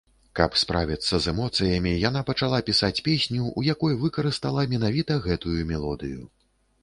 Каб справіцца з эмоцыямі, яна пачала пісаць песню, у якой выкарыстала менавіта гэтую мелодыю.